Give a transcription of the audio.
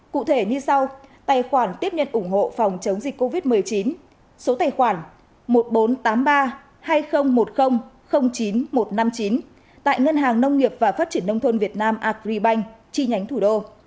cụ thể như sau tài khoản tiếp nhận ủng hộ phòng chống dịch covid một mươi chín số tài khoản một nghìn bốn trăm tám mươi ba hai nghìn một mươi chín một trăm năm mươi chín tại ngân hàng nông nghiệp và phát triển nông thôn việt nam agribank chi nhánh thủ đô